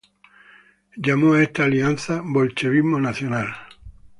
Llamó a esta alianza "bolchevismo nacional".